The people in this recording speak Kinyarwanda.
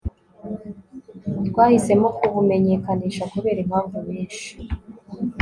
twahisemo kubumenyekanisha kubera impamvu nyinshi